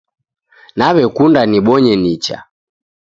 Naw'ekunda nibonye nicha